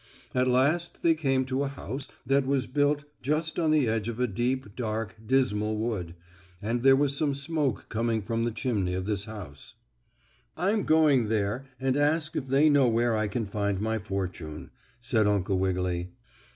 At last they came to a house that was built just on the edge of a deep, dark, dismal wood, and there was some smoke coming from the chimney of this house. "I'm going there and ask if they know where I can find my fortune," said Uncle Wiggily.